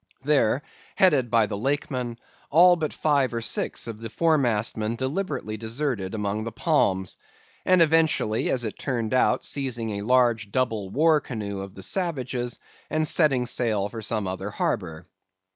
There, headed by the Lakeman, all but five or six of the foremastmen deliberately deserted among the palms; eventually, as it turned out, seizing a large double war canoe of the savages, and setting sail for some other harbor.